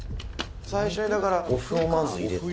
「最初にだからお麩をまず入れて」